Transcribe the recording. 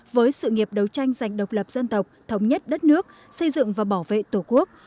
với sự nghiệp đấu tranh giành độc lập dân tộc thống nhất đất nước xây dựng và bảo vệ tổ quốc